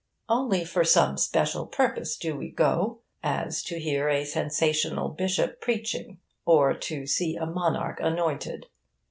Only for some special purpose do we go as to hear a sensational bishop preaching, or to see a monarch anointed.